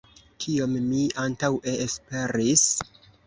Kion mi antaŭe esperis?